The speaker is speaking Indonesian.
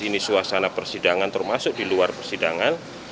ini suasana persidangan termasuk di luar persidangan